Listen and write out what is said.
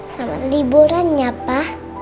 selamat liburan ya pa